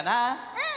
うん！